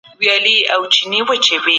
د اوبو ککړوالی د ناروغیو سبب کیږي.